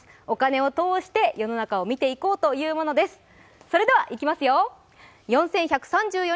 お金を通して世の中を見ていこうというものです。